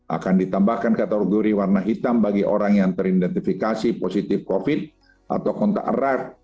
akan ditambahkan kategori warna hitam bagi orang yang teridentifikasi positif covid atau kontak erat